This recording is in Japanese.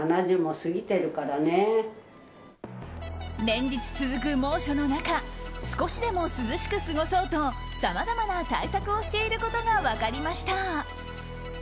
連日続く猛暑の中少しでも涼しく過ごそうとさまざまな対策をしていることが分かりました。